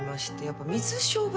やっぱ。